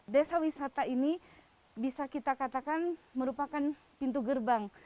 desa wisata ini bisa kita katakan merupakan pintu gerbang